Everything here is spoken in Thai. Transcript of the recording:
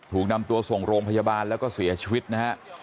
ถูกนำตัวส่งโรงพยาบาลแล้วก็เสียชีวิตนะฮะ